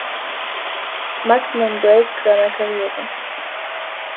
Maximum Break seiner Karriere.